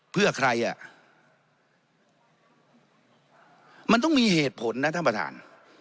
เพื่อใครอ่ะมันต้องมีเหตุผลนะท่านประธาน